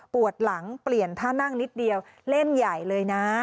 ปวดหลังเปลี่ยนท่านั่งนิดเดียวเล่นใหญ่เลยนะ